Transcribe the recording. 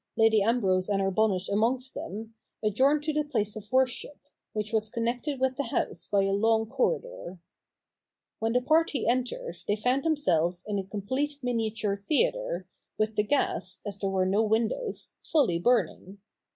Lady Ambrose and her bonnet amongst them, adjourned to the place of worship, which was connected with the house by a long corridor. When the party entered they found themselves in a complete miniature theatre, with the gas, as there were no windows, fully burning.